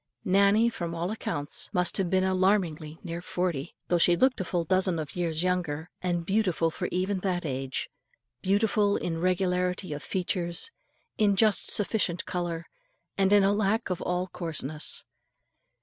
Nannie from all accounts must have been alarmingly near forty, though she looked a full dozen of years younger, and beautiful for even that age, beautiful in regularity of features, in just sufficient colour, and in a lack of all coarseness.